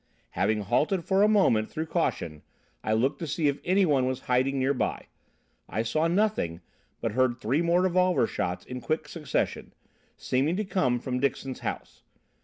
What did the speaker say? "'Having halted for a moment through caution, I looked to see if anyone was hiding near by. I saw nothing but heard three more revolver shots in quick succession, seeming to come from Dixon's house.